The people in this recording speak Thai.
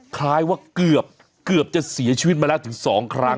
คล้ายว่าเกือบจะเสียชีวิตมาแล้วถึง๒ครั้ง